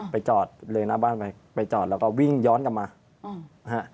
ไปจอดเลยหน้าบ้านไปไปจอดแล้วก็วิ่งย้อนกลับมานะฮะ